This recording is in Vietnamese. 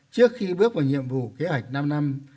trước khi bước vào nhiệm vụ kế hoạch năm năm